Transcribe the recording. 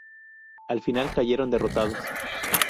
Al final cayeron derrotados.